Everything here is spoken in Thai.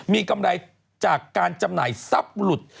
มีกำไรจากการจำหน่ายทรัพย์หลุด